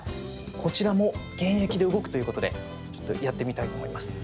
こちらも現役で動くということでちょっとやってみたいと思います。